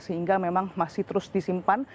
sehingga memang masih terus disimpan